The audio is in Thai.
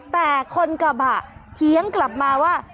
แต่คนกระบะเถียงกลับมาว่า